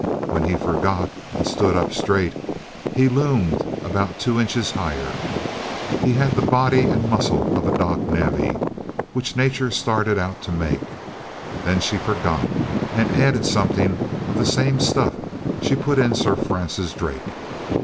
When he forgot, and stood up straight, he loomed about two inches higher. He had the body and muscles of a dock navvy, which Nature started out to make. Then she forgot and added something of the same stuff she put in Sir Francis Drake.